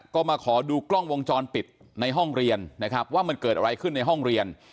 ก็มาขอดูกล้องวงจรปิดในห้องเรียนนะครับว่ามันเกิดอะไรขึ้นในห้องเรียน